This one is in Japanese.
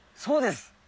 そうです。